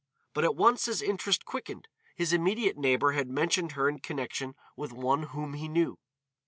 But at once his interest quickened; his immediate neighbor had mentioned her in connection with one whom he knew.